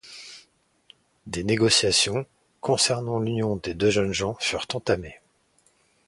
Des négociations concernant l'union des deux jeunes gens furent entamées.